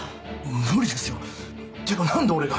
無理ですよってか何で俺が。